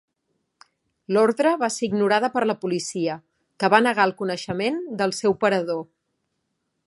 L'ordre va ser ignorada per la policia, que va negar el coneixement del seu parador.